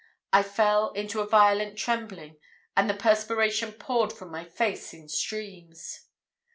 I fell into a violent trembling, and the perspiration poured from my face in streams.